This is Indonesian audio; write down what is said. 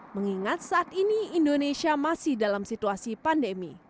mengingat saat ini indonesia masih dalam situasi pandemi